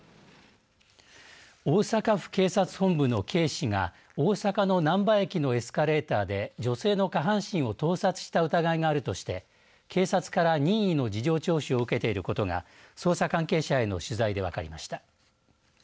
大阪府警察本部の警視が大阪のなんば駅のエスカレーターで女性の下半身を盗撮した疑いがあるとして警察から任意の事情聴取を受けていることが捜査関係者への取材で分かりました。